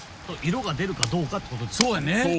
色が出るかどうかってことですね。